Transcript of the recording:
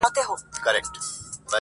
o شېرینو نور له لسټوڼي نه مار باسه.